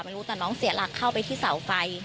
ไม่รู้แต่น้องเสียหลักเข้าไปที่เสาไฟ